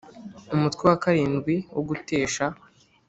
umutwe wa karindwi wo gutesha